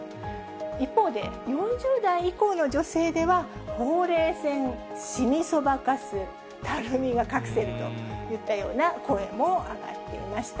一方で、４０代以降の女性では、ほうれい線、シミ、そばかす、たるみが隠せるといったような声も上がっていました。